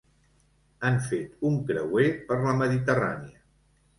Han fet un creuer per la Mediterrània.